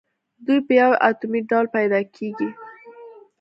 دوی په یو اتومي ډول پیداکیږي.